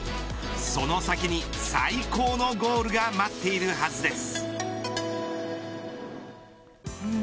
その先に最高のゴールが待っているはずです。